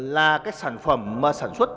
là cái sản phẩm mà sản xuất